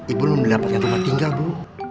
ibu belum mendapatkan tempat tinggal bu